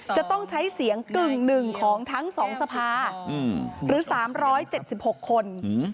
จะต้องใช้เสียงกึ่งหนึ่งของทั้ง๒สภาหรือ๓๗๖คน